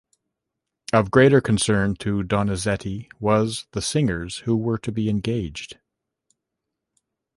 Of greater concern to Donizetti was the singers who were to be engaged.